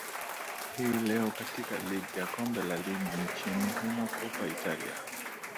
hii leo katika ligi ya kombe la ligi nchini humo kopa italia